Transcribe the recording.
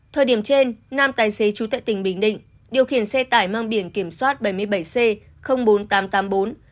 thời điểm trên nam tài xế trú tại tỉnh bình định điều khiển xe tải mang biển kiểm soát bảy mươi bảy c bốn nghìn tám trăm tám mươi bốn